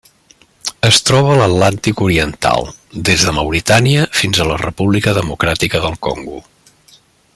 Es troba a l'Atlàntic oriental: des de Mauritània fins a la República Democràtica del Congo.